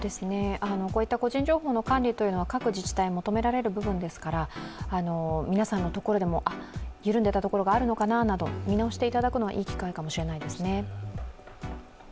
こういった個人情報の管理というのは各自治体求められる部分ですから皆さんのところでも、緩んでいたところがあるのかななど見直していただくのはいい機会かもしれないですね。